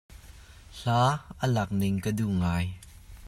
Hla a lak ning ka duh ngai.